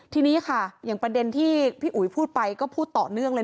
ทีนี้ค่ะอย่างประเด็นที่พี่อุ๋ยพูดไปก็พูดต่อเนื่องเลย